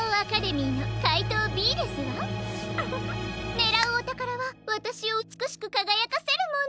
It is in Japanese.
ねらうおたからはわたしをうつくしくかがやかせるもの。